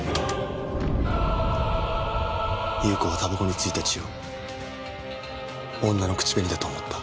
裕子はタバコについた血を女の口紅だと思った。